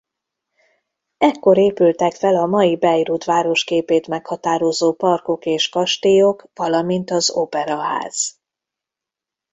Ekkor épültek fel a mai Bayreuth városképét meghatározó parkok és kastélyok valamint az operaház.